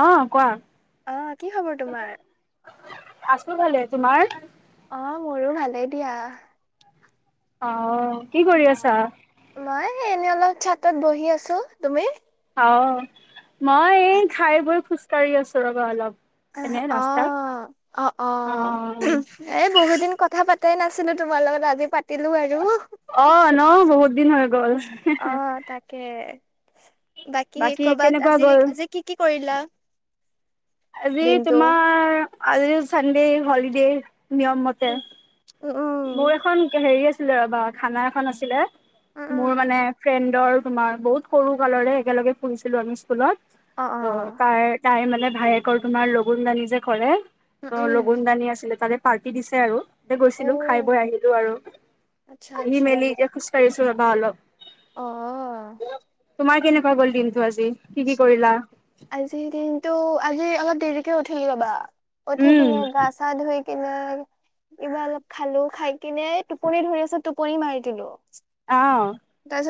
অ', কোৱা? অ', কি খবৰ তোমাৰ? মোৰ ভালে, তোমাৰ? অ', মোৰো ভালেই দিয়া। অ', কি কৰি আছা? নাই এনেই অলপ চাতত বহি আছো, তুমি? অ', মই এই খাই বৈ খোজকাঢ়ি আছো ৰবা অলপ। আহ এনে অ ৰাস্তাত অ অ এই বহুত দিন কথা পাত। তাই নাছিলো তোমাৰ লগত আজি পাত। অ', ন' বহুত দিন হৈ গ'ল। অ', তাকে। বাকী সেই কৰ'বাত কেনেকুৱা আজি গ'ল আজি কি কি কৰিলা? আজি দিনটো? তোমাৰ আজি চানডে হলিডেৰ নিয়ম মতে। উম, উম, উম, মোৰ এখন হেৰি আছিলে ৰবা খানা এখন আছিলে, উম, মোৰ উম, মানে ফ্ৰেণ্ডৰ। তোমাৰ বহুত সৰু কালৰে একেলগে ফুৰিছিলো আমি স্কুলত অ', ত' অ', তাই তাই মানে ভায়েকৰ তোমাৰ লগুন দানি যে কৰে উম, অ' লগুন উম। দানি আছিলে তাৰে পাৰ্টি দিছে আৰু এয়া গৈছিলো, খাই অ', বৈ আহিলো আৰু। আচ্ছা আহি আচ্ছা। মেলি এতিয়া খোজ কাঢ়িছো। [unintelligible] অ'। তোমাৰ কেনেকুৱা গল দিনটো আজি কি কি কৰিলা? আজিৰ দিনটো আজি অলপ দেৰিকে উঠিলো ৰবা উঠি উম কিনে গা চা ধুই কিনে কিবা অলপ খালো খাই কিনে টোপনি ধৰি আছে টোপনি মাৰি দিলো। অ'।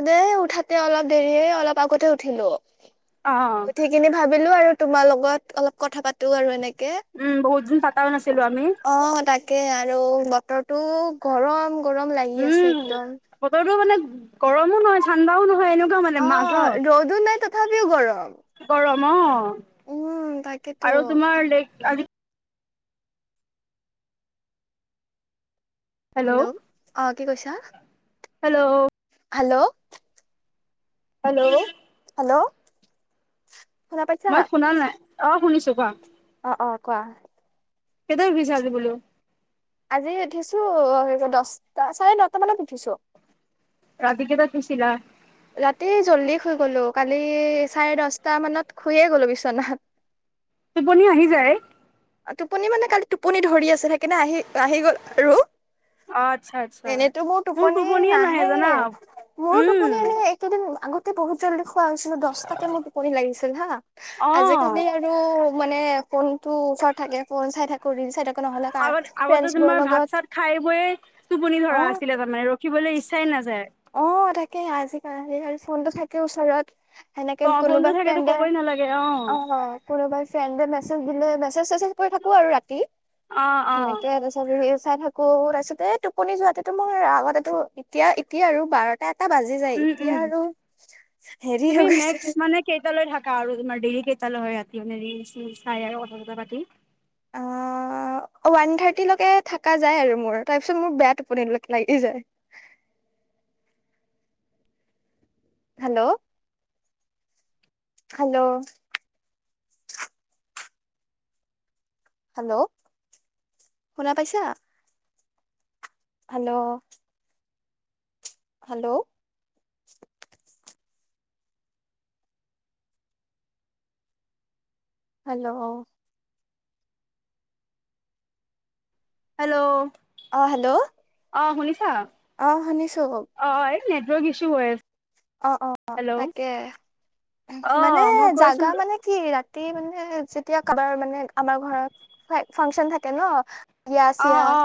দেই উঠাতে অলপ দেৰিয়ে অলপ আগতে উঠিলো অ'। সেইখিনি ভাবিলো আৰু তোমাৰ লগত অলপ কথা পাতো আৰু এনেকে। [inaudible] উম বহুত দিন পাতাও নাছিলো অ', আমি তাক। তাকে আৰু বতৰটো গৰম গৰম লাগি আছে উম একদম। বতৰটো মানে গৰমো নহয় ঠাণ্ডাও নহয় এনে। অ', ৰ'দো নাই তথাপিও গৰম। গৰম অ', উম তাকেতো আৰু তোমাৰ লাইক আজি। হেল্ল' অ কি কৈছা? হেল্ল'। হেল্ল'। হেল্ল'। হেল্ল'। শুনা পাইছা মই শুনা নাই অ', শুনিছোঁ কোৱা। অ', অ', কোৱা। কেইটাত উঠিচা আজি বুলু। আজি উঠিছো দচটা চাৰে নটা মানত উঠিছোঁ। ৰাতি কেইটাত শুইছিলা? ৰাতি জল্‌দি শুই গলো, কালি চাৰে দচটা মানত শুয়ে গলো বিছনাত। [inaudible] তুপনি আহি যায় টোপনি মানে কালি টোপনি ধৰি আছে সেইকাৰণনে আহি আহি গ'ল ৰ অ', আচ্ছা আচ্ছা এনেতো মোৰ টোপনি টোপনিয়ে নাহে নাহেই জানা মোৰো টোপনি উম এনে এইকেইদিন আগত ত বহুত জল্দি খোৱা হৈছিলো দশটাকে মোৰ টোপনিী লাগিছিল হা আজিকালি অ', আৰু মানে কোনটো ফ চাই থল চাই থাক নহ কাৰ আগত আগতে ফ্ৰ তোমাৰ ভাত লগত চাত খাই বৈয়ে টোপনি ধৰা অ', আছিলে তাৰমানে ৰখলৈ ইচ্ছাই নাযায় আৰু েই আজিিকাল আৰু ফোনটো থাকে ওচৰত সেনেকে অ', ফোনটো কোনোবাই থাকেতো ফ্ৰেণ্ডে ক'বই নালাগে অ কোনোবাই ফ্ৰেণ্ড মেছে দিনে মেছেজ চেছেজ কৰি থাকো আৰু ৰাতি অ', অ', সনেকে তাৰাপ চাই থাকো তাৰপিছতে এই টোপনি যোৱাতেো মোৰ আগতেো এতিয়া এতিয়া আৰু বাৰটা এটা বাজি যায় উম এতিয়া উম আৰু হেৰি তুমি হৈ গৈছে মেক্স মানে কেইটালৈ থাকা আৰু তোমাৰ ডেইলি কেই সাল হয় ৰাতিৰি চাই কথা কথা পাতি অ অ ওৱান থাৰ্টিলৈকে থাকা যায় আৰু মোৰ তাৰপিছত মোৰ বেয়া টোপন লাগি যায়। [unintelligible] হেল্ল' হেল্ল' হেল্ল' শুনা পাইছা? হেল্ল' হেল্ল' হেল্ল' হেল্ল' অ হেল্ল' অ শুনিছা অ হনীশো হ হ ৰোগ ইচু আছে অ অ হেল্ল' তাকে। অ মানে মই কৈ জাগা আছিলো মানে কি ৰাতি মানে এতিয়া কাৰোবাৰ মানে আমাৰ ঘৰত ফাংচন থাকে ন অ বিয়া-চিয়া অ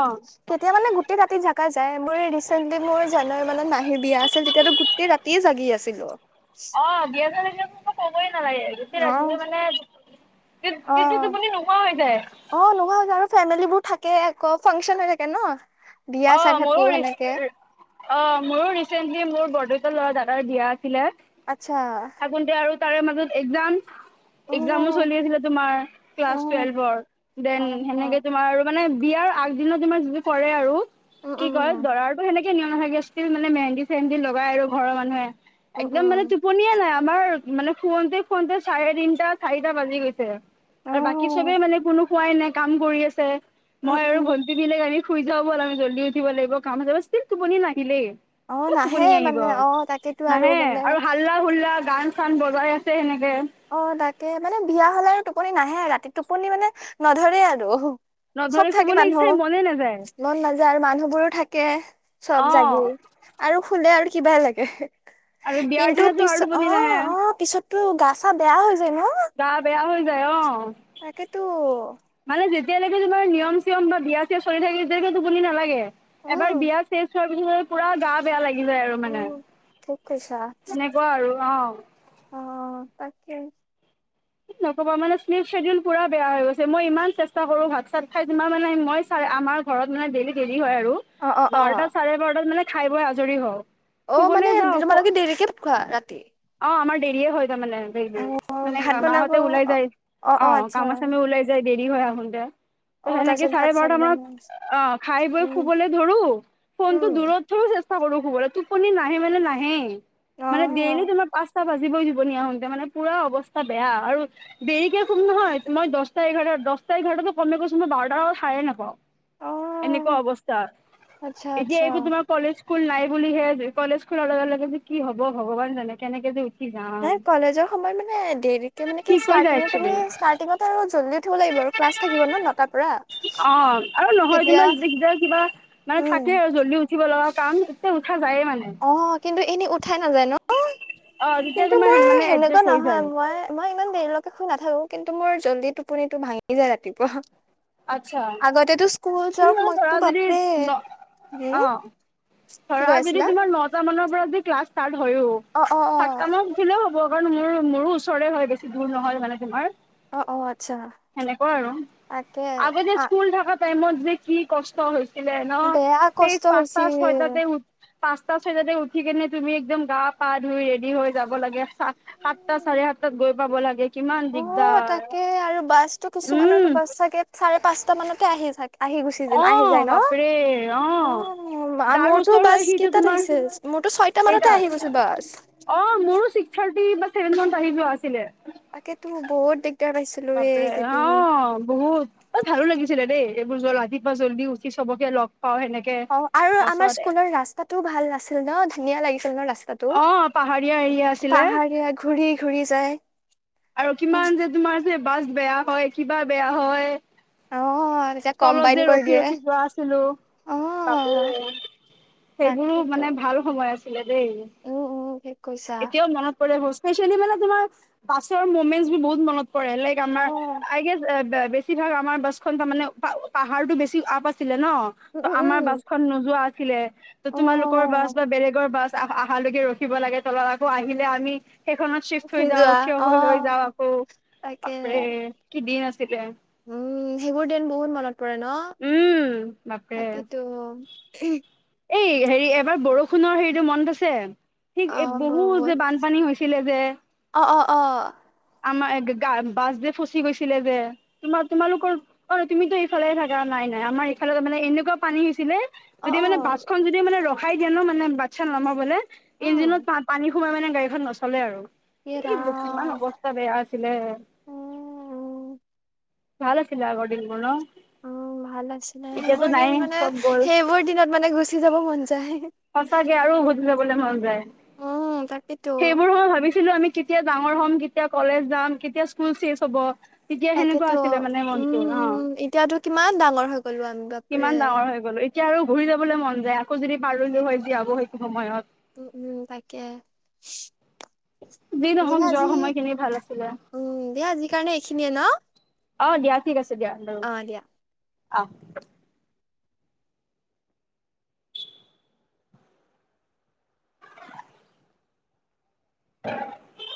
তেতিয়া মানে গোটেই ৰাতিত থকা যায়। মোৰ ৰিচেণ্টলি মোৰ জানুৱাৰী মানত মহী বিয়া আছিল, তেতিয়াতো গোটেই ৰাতিয়ে জাগি আছিলো। অ বিয়াো ক'বই নালাগে। গোটেই অ ৰাতি মানে অ এইটো টোপনি নোহোৱা হৈ যায়। অ নোহোৱা হৈ যায়। আৰু ফেমিলীবোৰ থাকে। আকৌ ফাংচন হৈ থাকে ন। বিয়া অ চাই থাকো মোৰো সেনেকে অ মোৰো ৰিচেণ্টলি মোৰ বৰদউত ল'ৰা দাদাৰ বিয়া আচ্ছা থাকোতে আৰু তাৰে মাজত একজাম উ একজামো চলি আছিলে তোমাৰ উ ক্লাছ টুৱেলভৰ। দেন অ অ সেনেকে তোমাৰ আৰু মানে বিয়াৰ আগদিনত তোমাৰ যিটো কৰে আৰু উম কি উম কয় উম দৰাৰতো সেনেকে নাথাকে। ষ্টিল মানে মেহেন্দি-চেহেন্দি লগাই আৰু ঘৰৰ মানুহে। উম একদম উম মানে টোপনিয় নাই। আমাৰ মানে সুনতে সুনতে চাৰে তিনটা চাৰিটা বাজি গৈছে। অ আৰু বাকী চবে মানে কোনো খোৱাই নাই কাম কৰি আছে উম মই আৰু উম ভণ্টী বিলাক আমি শুই যাওঁ বল, আমি জল্দি উঠিব লাগিব, কামত যাব ষ্টিৰ টোপনি নাহিলেই। অ কত নাহে টোপনি আহিব মানে অ তাকেতো আৰু নাহে মানে আৰু হাল্লা-হুল্লা গান-চান বজাই আছে। সেনেকে অ তাকে মানে বিয়া হলে আৰু টোপনি নাহে ৰাতি টোপনি মানে নধৰে আৰু চব নধৰি থাকে শুবলৈ মানুহ, ইচ্ছাই মনে নাযায় মন নাযায় যাৰ মানুহ বোৰো থাকে, চব অ জাগি আৰু সুলে আৰু কিবা লাগে আৰু বিয়াৰ কিন্তু দিনতো পিছ আৰু অ টোপনি নাহে অ পিছততো গা চা বেয়া হৈ যায় ন? গা বেয়া হৈ যায় অ। তকেটো, মানে যেতিয়ালৈকে তোমাৰ নিয়ম-চিয়ম বা বিয়া-চিয়া চলি থাকে, তেতিয়ালৈকে টোপনি নালাগে। এবাৰ উম বিয়া শে পিছত পুৰা গা বেয়া লাগি যায় আৰু মানে উম ঠিক কৈছা সেনেকুৱা আৰু অ। অ তাকে। নকবা মানে পুৰা বেয়া হৈ গৈছে মই ইমান চেষ্টা কৰো ভাত চাত খাই যিমান মানে মই চাই আমাৰ ঘৰত মানে ডেইলি দেৰি হয় আৰু অ অ অ বাৰটা চাৰে বাৰটাত মানে খাই বৈ আজৰি হওঁ। অ শুবলৈ মানে যাওঁ তোমালোকে দেৰিকে খোৱা? ৰা অ আমাৰ দেৰিয়ে হয় তাৰমানে ডেইলী, অ মানে ভাত বনাব মাহঁতে অ ওলাই যায় অ কামা চামা ওলাই যায়। দেৰি হয় আহোনতে ত অ সেনেকে তাৰপিছত চাৰে ভাত চাত বাৰটা মানত, বনোৱা অ খাই বৈ উম খুবলৈ ধৰো, ফোন টো দূৰত ধৰো চে কৰো সুবলে টোপনি নাহে মানে, নাহে মানে উম অ ডেইলী তোমাক পাঁচটা বাজিবই টোপনি আহোনতে মানে পুৰা অৱস্থা বেয়া আৰু দেৰিকৈ সুম নহয় মই দহটাই দস্তা, ইঘাৰতা টো কম কৈছ মই বাৰটাৰ আগতে সাৰে নেপাও। এনেকুৱা অ', অৱস্থা। আচ্ছা এতিয়া আচ্ছা। এইবোৰ তোমাৰ কলেজ স্কুল নাই বুলিহে, কলেজ খোলাৰ লগে লগে যে কি হব ভগৱান জানে, কেনেকে যে উঠ কলেজৰ সময়ত মানে দেৰিকে মানে কি ঠিক হৈ যায় ষ্টাৰ্টিং তুমি একচুৱেলি ষ্টাৰ্টিঙত আৰু জল্ডি উঠিব লাগিব। আৰু। ক্লাছ থাকিব ন নটাৰ পৰা অ আৰু নহয় তেতিয়া যেনোয়া [inaudible] কিবা মানে উম। থাকে আৰু য [unintelligible] জলদি উঠিব লগা কাম এতিয় উঠা যায়ে মানে। অ', কিন্তু এনেই উঠাই নাযায় ন অ' তেতিয়া কিন্তু তোমাৰ মোৰ মানে সেনেকুৱা এডজাষ্ট হৈ নহয় যায় মই মই ইমান দেৰিলৈকে শুই নাথাকো কিন্তু মোৰ জল্দি টোপনিটো ভাঙি যায় ৰাতিপুৱা। আচ্ছা আগতেতো স্কুল যাওক মইতো বাপৰে, হম আহ, কি কৈ আছিলা? নটা মানৰ পৰা যদি ক্লাছ ষ্টাৰ্ট হয়ও অ', অ', সাতটা অ', মানত উঠিলে হ'ব। মোৰ মোৰো ওচৰে হয় বেছি দূৰ নহয় মানে তোমাৰ। অ', অ', আচ্ছা সেনেুৱা আৰু তাকে। আগতে যে আ স্কুল থকা টাইমত যে কি কষ্ট হৈছিলে ন বেয়া সেই কষ্ট পাঁচতা হৈছিল। ছয়তাতে উঠ পাঁচটা চয়টাতে উঠি কেনে তুমি একদম গা পা ধুই ৰেডি হৈ যাব লাগে সাতটা চাৰে সাত াত গৈ পাব লাগে। কিমান অ দিগদাৰ তাকে আৰু বাছতটো উম কিছুমানৰো বাছ চাগে চাৰে পাঁচটা মানকে আহি থাগে আহি গুচি যে অ আহি যায় বাপৰে অ ন? যাৰ মোৰটো ওচৰ বাছ হয় সিটো কেইটাত তোমাৰ আহিছিল মোৰতো ছয়টা মানতে কেইটাত আহিছীল বাছ। অ মোৰো ছিক্স থাৰ্টি বা চেভেনত আহি যোৱা আছিলে। তাকেতো বহুত দিগদাৰ পাইছিলো বাপ এইকেইদিন অ বহুত অ ভালো লাগিছে ছিলে দেই এইবোৰ জলদি য জল্দি উঠি চবকে লগ পাও সেনেকে অ আৰু আমাৰ বাছত স্কুলৰ ৰাস্তাটোও ভাল নাছিল ন ধুনীয়া লাগিছিল ন ৰাস্তা। ৰাটো অ', পাহাৰীয়া এৰিয়া আছিলে পাহাৰীয়া ঘূৰি ঘূৰি যায়। আৰু কিমান যে তোমাৰ বাছ বেয়া হয় কিবা বেয়া হয় অ', তেতিয়া তলত কম্বাইন যে কৰি ৰখি দিয়ে। ৰখি যোৱা আছিলো বাপ অ', সেইবোৰো তাকেতো মানে ভাল সময় আছিলে দেই। উম, উম, ঠিক কৈছা এতিয়াও মনত পৰে স্পেচিয়েলি মানে তোমাৰ বাছৰ মমেণ্ট বহুত মনত বেলেগ আমাৰ অ', আই গেছ বেছিভাগ আমাৰ বাছখন তাৰানে পাহাৰতটো বেছি আপ আচিল ন উম, টো উম, আমাৰ উম, বাচখন নোযোৱা আছিল তোমালৰ বা অ'। বা বেলেগৰ বাছ অহালৈকে ৰখিব লাগে তলত আকৌ আহিলে আমি সেইখনত চিফট উঠি হৈ যোৱা যাও থিয় অ হৈ হৈ যাও আকৌ তাকে বাপৰে কি দিন আছিলে। উম সেইবোৰ দিন বহুত মনত, পৰে ন উম বাপৰে তাকেতো। এই হেৰি এবাৰ বৰষুণৰ হেৰিতটো মন আছে অ কি বহুত যে বানপানী হৈছে চিলে যে। অঁ অঁ, আমাৰা বাছ যে ফচি গৈছিলে যে তোমাৰ তোমালোকৰ অ তুমিতো এইফালে থাকা নাই ন নাই আমাৰ এইফালে মানে এনেকুৱা পানী হৈছিলে অ অ যদি মানে বাছখনন যদি মানে ৰখাই দিয়ে নো মানে বাচ্ছা নমাবলৈ উম ইঞ্জিনত প পানী সোমাই মানে গাড়ীখন নচলে আৰু সৰা ত বে আছিলে ভাল আছিলে আগদিন কো অ ভাল আছিলে সেইবোৰ দিন মানে চব গ'ল সেইবোৰ দিনত মানে গুচি যাব মন যায় সঁচাকে আৰু উভতি যাবলৈ মন যায় উ কাটিিতো ছিলো আমি কেতিয়া ডাঙৰ হ'ম কেতিয়া কলেজ যাম কেতিয়া স্কুল চেজ হ'ব তেতিয়া সেনেকুৱা তাকেতো আছিলে মানে উম মনটো অ উম এতিয়াতো কিমান ডাঙৰ হৈ গলো আমি বাপৰে কিমান ডাঙৰ হৈ গলো এতিয়া আৰু ঘূৰি যাবলৈ মন যায় আকৌ যদি পাৰলো হয় যীয়াব সেইটো সময়ত উম উম তাকে যি নহওক যোৱা দেহজি সময়খিনি ভাল আছিলে উম দেহজি কাৰণে এইখিনিয়ে ন আহ দিয়া ঠিক আছে দিয়া বাৰ অ দিয়া আহ [unintelligible]